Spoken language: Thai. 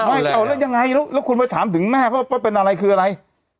อ้าวแล้วยังไงแล้วคุณไปถามถึงแม่เขาว่าเป็นอะไรคืออะไร